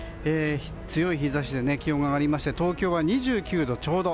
強い日差しで気温が上がりまして東京は２９度ちょうど。